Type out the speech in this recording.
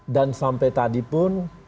dan sampai tadi pun